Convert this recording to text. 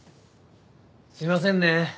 すいませんね。